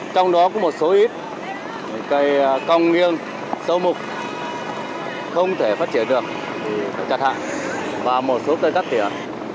trong đó có một số ít cây cong nghiêng sâu mục không thể phát triển được thì phải chặt hạ và một số cây cắt tiển